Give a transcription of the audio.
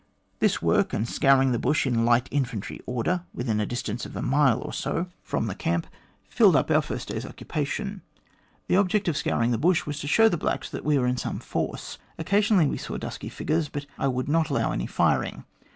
This work, and scouring the bush in light infantry order, within a distance of a mile or so from MAJOR DE WINTON: OLDEST LIVING GLADSTONIAN 183 the camp, filled up our first day's occupation. The object of scouring the bush was to show the blacks that we were in some force. Occasionally, we saw dusky figures ; but I would not allow any firing.